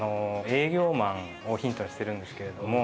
営業マンをヒントにしてるんですけれども。